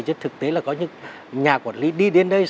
chứ thực tế là có những nhà quản lý đi đến đây